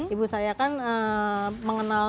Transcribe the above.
ibu saya kan mengenal